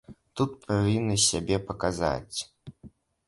Тут павінны сябе паказаць.